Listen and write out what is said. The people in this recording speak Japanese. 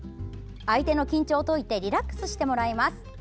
相手の緊張を解いてリラックスしてもらいます。